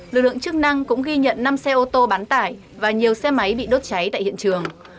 lực lượng chức năng cũng ghi nhận năm xe ô tô bán tải và nhiều xe máy bị đốt cháy tại hiện trường